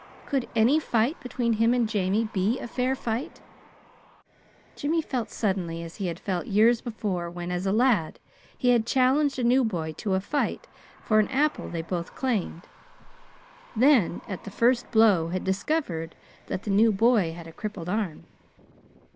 Could any fight between him and Jamie be a "fair" fight? Jimmy felt suddenly as he had felt years before when, as a lad, he had challenged a new boy to a fight for an apple they both claimed, then, at the first blow, had discovered that the new boy had a crippled arm.